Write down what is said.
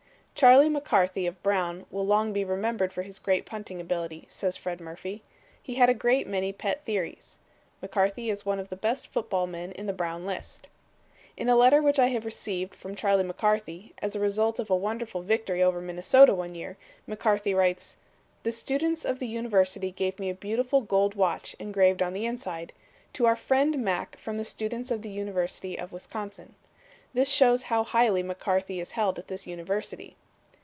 "Charlie McCarthy of Brown will long be remembered for his great punting ability," says Fred Murphy. "He had a great many pet theories. McCarthy is one of the best football men in the Brown list." In a letter which I have received from Charlie McCarthy, as a result of a wonderful victory over Minnesota one year, McCarthy writes: "The students of the University gave me a beautiful gold watch engraved on the inside 'To our Friend Mac from the students of the University of Wisconsin.'" This shows how highly McCarthy is held at this University.